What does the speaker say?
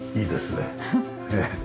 ねえ。